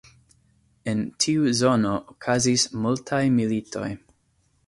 En tiu zono okazis multaj militoj.